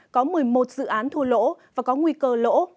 có một mươi một dự án thua lỗ và có nguy cơ lỗ